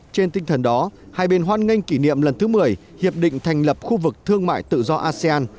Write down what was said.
trên tinh thần đó hai bên hoan nghênh kỷ niệm lần thứ một mươi hiệp định thành lập khu vực thương mại tự do asean